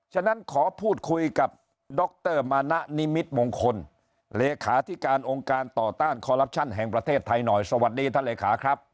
ฉะนั้นขอพูดคุยกับดรมานะนิมิตมงคลเลขาธิการองค์การต่อต้านคอลลับชั่นแห่งประเทศไทยหน่อยสวัสดีท่านเลขาครับ